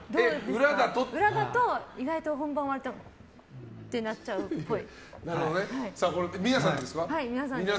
裏だと意外と本番終わるとこうなっちゃうっぽい。